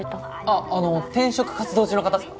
あっあの転職活動中の方っすか？